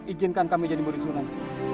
ijinkan kami jadi bori sunan